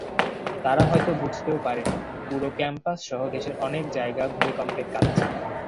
তারা হয়তো বুঝতেও পারেনি, পুরো ক্যাম্পাসসহ দেশের অনেক জায়গা ভূমিকম্পে কাঁপছে।